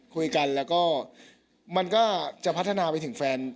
คุยกันแล้วก็มันก็จะพัฒนาไปถึงแฟน